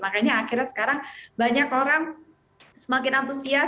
makanya akhirnya sekarang banyak orang semakin antusias